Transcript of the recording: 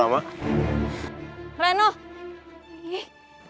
lama banget sih